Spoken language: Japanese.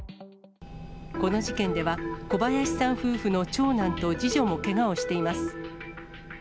この事件では、小林さん夫婦の長男と次女もけがをしています。